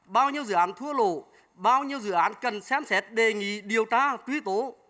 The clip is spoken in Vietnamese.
bao nhiêu dự án thua lộ bao nhiêu dự án cần xem xét đề nghị điều tra tuy tố